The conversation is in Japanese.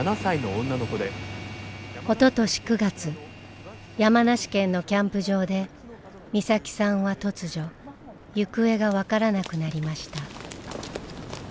おととし９月山梨県のキャンプ場で美咲さんは突如行方が分からなくなりました。